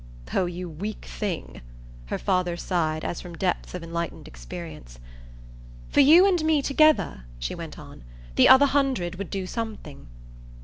"Oh you weak thing!" her father sighed as from depths of enlightened experience. "For you and me together," she went on, "the other hundred would do something."